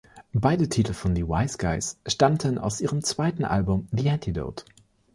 Beide Titel von The Wiseguys stammten aus ihrem zweiten Album „The Antidote“.